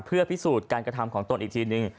เพื่อพิสูจน์การกระทำของตนอีกทีนึง